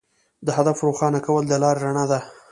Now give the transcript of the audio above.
د هدف روښانه کول د لارې رڼا ده.